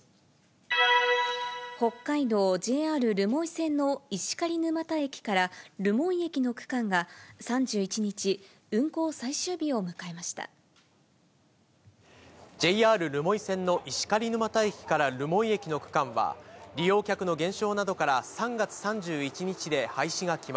北海道ＪＲ留萌線の石狩沼田駅から留萌駅の区間が３１日、ＪＲ留萌線の石狩沼田駅から留萌駅の区間は、利用客の減少などから、３月３１日で廃止が決ま